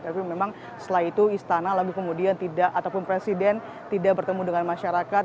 tapi memang setelah itu istana lalu kemudian tidak ataupun presiden tidak bertemu dengan masyarakat